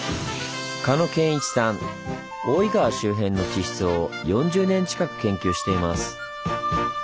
大井川周辺の地質を４０年近く研究しています。